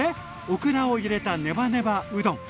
オクラを入れたネバネバうどん。